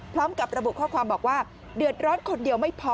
พร้อมกับระบุข้อความบอกว่าเดือดร้อนคนเดียวไม่พอ